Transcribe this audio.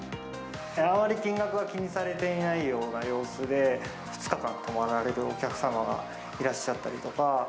あまり金額は気にされていないような様子で、２日間泊まられるお客様がいらっしゃったりとか。